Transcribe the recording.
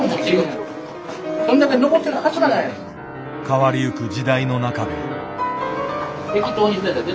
変わりゆく時代の中で。